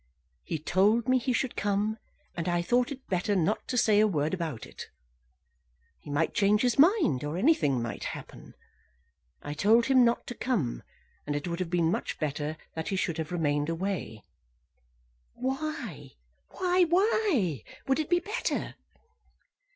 "He told me he should come, and I thought it better not to say a word about it. He might change his mind, or anything might happen. I told him not to come; and it would have been much better that he should have remained away." "Why; why; why would it be better?"